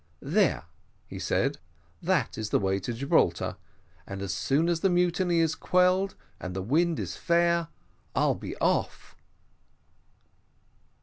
"There," said he, "that is the way to Gibraltar, and as soon as the mutiny is quelled, and the wind is fair, I'll be off."